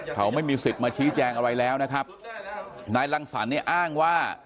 เขาไม่มีสิทธิ์มาชี้แจงอะไรแล้วนะครับนายรังสรรคเนี่ยอ้างว่า